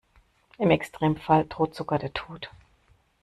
Im Extremfall droht sogar der Tod.